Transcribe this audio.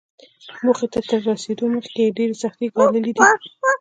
موخې ته تر رسېدو مخکې يې ډېرې سختۍ ګاللې دي.